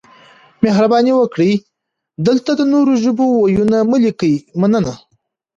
مهرباني وکړئ دلته د نورو ژبو وييونه مه لیکئ مننه